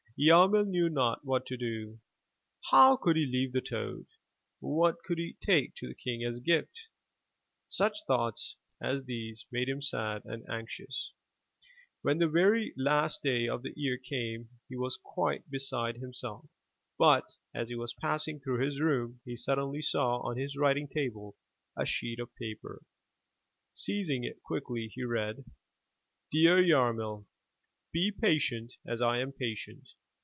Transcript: Yarmil knew not what to do. How could he leave the toad? What could he take to the King as a gift? Such thoughts as these made him sad and anxious. When the very last day of the year came, he was quite beside himself, but, as he was passing through his room, he sud denly saw on his writing table a sheet of paper. Seizing it quickly he read: "Dear Yarmil, — Be patient as I am patient.